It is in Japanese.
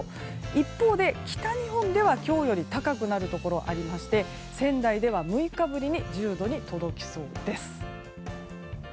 一方で北日本では今日より高くなるところがありまして仙台では６日ぶりに１０度に届きそうです。